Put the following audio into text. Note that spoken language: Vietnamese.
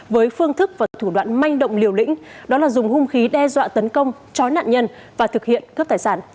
với phương thức và thủ đoạn manh động liều lĩnh đó là dùng hung khí đe dọa tấn công chói nạn nhân và thực hiện cướp tài sản